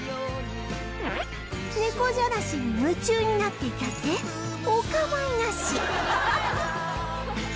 ねこじゃらしに夢中になっていたってお構いなし